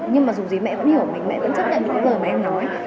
nhưng mà dù gì mẹ vẫn hiểu mình mẹ vẫn chấp nhận những lời mà em nói